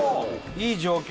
いい状況